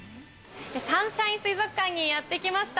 サンシャイン水族館にやって来ました。